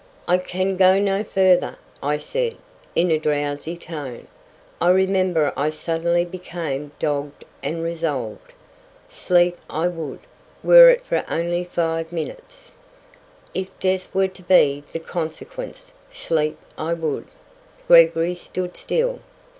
"I can go no farther," I said, in a drowsy tone. I remember I suddenly became dogged and resolved. Sleep I would, were it only for five minutes. If death were to be the consequence, sleep I would. Gregory stood still.